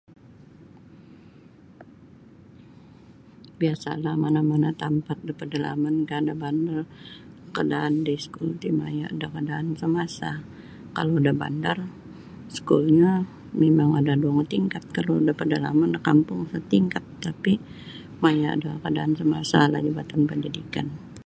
Biasa'lah mana-mana tampat da padalamankah da bandar kaadaan da iskul ti maya' da kaadaan samasa kalau da bandar iskulnyo mimang ada' duo ngatingkat kalau da padalaman da kampung satingkat tapi' maya' da kaadaan samasalah Jabatan Pendidikan.